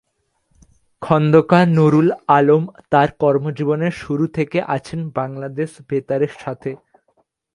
খন্দকার নুরুল আলম তার কর্মজীবনের শুরু থেকে আছেন বাংলাদেশ বেতারের সাথে।